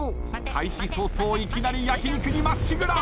開始早々いきなり焼き肉にまっしぐら。